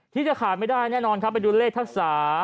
ที่จะขาดไม่ได้แน่นอนครับไปดูเลขทักษา